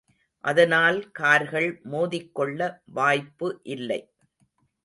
அதனால் கார்கள் மோதிக்கொள்ள வாய்ப்பு இல்லை.